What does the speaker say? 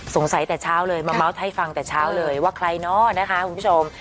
ตั้งแต่เช้าเลยมาเมาส์ให้ฟังแต่เช้าเลยว่าใครเนาะนะคะคุณผู้ชม